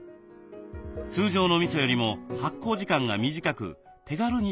通常のみそよりも発酵時間が短く手軽に作れるそうです。